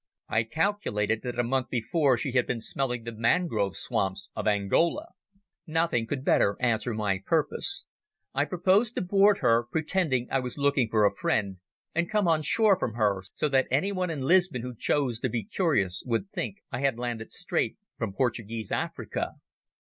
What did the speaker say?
I calculated that a month before she had been smelling the mangrove swamps of Angola. Nothing could better answer my purpose. I proposed to board her, pretending I was looking for a friend, and come on shore from her, so that anyone in Lisbon who chose to be curious would think I had landed straight from Portuguese Africa.